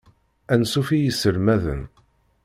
Ansuf s yiselmaden.